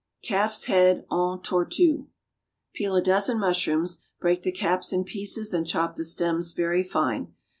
=Calf's Head en Tortue.= Peel a dozen mushrooms; break the caps in pieces and chop the stems very fine.